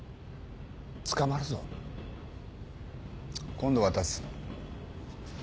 今度渡す。